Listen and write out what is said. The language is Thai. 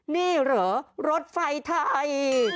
นี่เหรอรถไฟไทย